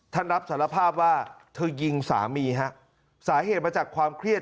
ท่านรับสารภาพว่าเธอยิงสามีฮะสาเหตุมาจากความเครียด